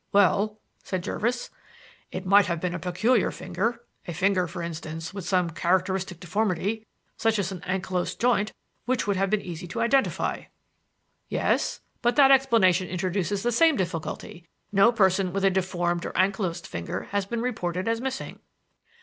"Well," said Jervis, "it might have been a peculiar finger; a finger, for instance, with some characteristic deformity such as an ankylosed joint, which would be easy to identify." "Yes; but that explanation introduces the same difficulty. No person with a deformed or ankylosed finger has been reported as missing."